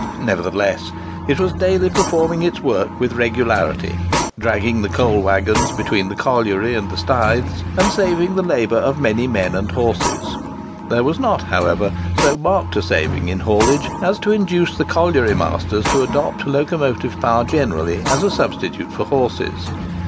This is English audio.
Nevertheless, it was daily performing its work with regularity, dragging the coal waggons between the colliery and the staiths, and saving the labour of many men and horses. There was not, however, so marked a saving in haulage as to induce the colliery masters to adopt locomotive power generally as a substitute for horses.